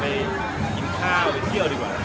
ไปกินข้าวไปเที่ยวดีกว่า